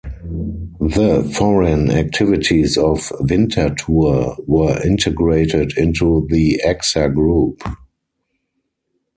The foreign activities of Winterthur were integrated into the Axa Group.